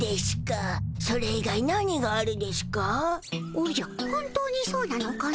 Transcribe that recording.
おじゃ本当にそうなのかの？